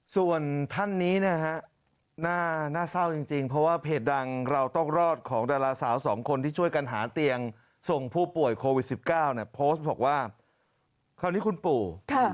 ส่วนท่านนี้นะฮะน่าเศร้าจริงเพราะว่าเพจดังเราต้องรอดของดาราสาวสองคนที่ช่วยกันหาเตียงส่งผู้ป่วยโควิด๑๙เนี่ยโพสต์บอกว่าคราวนี้คุณปู่